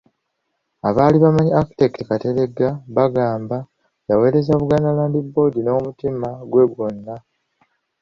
Abaali bamanyi Architect Kateregga bagamba yaweereza Buganda Land Board n'omutima gwe gwonna.